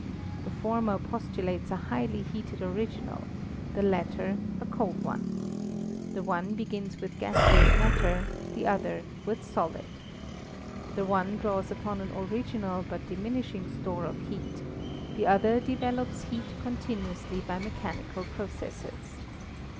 The former postulates a highly heated original, the latter a cold one. The one begins with gaseous matter, the other with solid. The one draws upon an original but diminishing store of heat, the other develops heat continuously by mechanical processes.